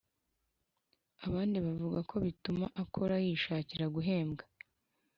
Abandi bavuga ko bituma akora yishakira guhembwa